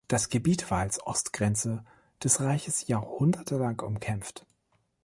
Das Gebiet war als Ostgrenze des Reiches jahrhundertelang umkämpft.